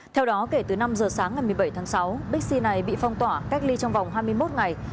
theo đó kể từ năm h sáng ngày một mươi bảy tháng sáu bixi này bị phong tỏa cách ly trong vòng hai mươi một ngày